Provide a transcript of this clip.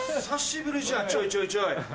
久しぶりじゃんちょいちょい。